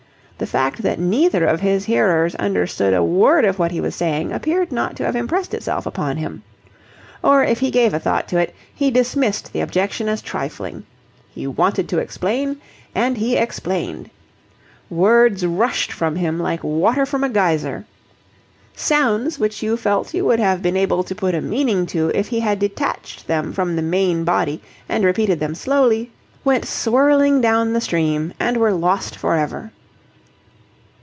The fact that neither of his hearers understood a word of what he was saying appeared not to have impressed itself upon him. Or, if he gave a thought to it, he dismissed the objection as trifling. He wanted to explain, and he explained. Words rushed from him like water from a geyser. Sounds which you felt you would have been able to put a meaning to if he had detached them from the main body and repeated them slowly, went swirling down the stream and were lost for ever.